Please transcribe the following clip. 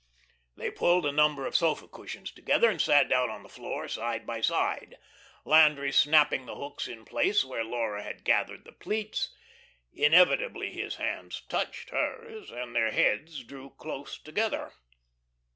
They pulled a number of sofa cushions together and sat down on the floor side by side, Landry snapping the hooks in place where Laura had gathered the pleats. Inevitably his hands touched hers, and their heads drew close together.